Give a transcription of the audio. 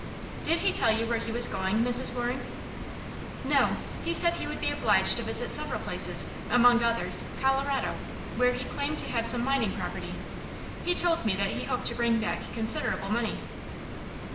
"Did he tell you where he was going, Mrs. Waring?" "No; he said he would be obliged to visit several places among others, Colorado, where he claimed to have some mining property. He told me that he hoped to bring back considerable money."